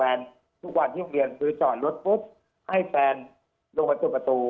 แล้วก็ได้ยินเสียงพื้นประมาณ๓๔๐นัด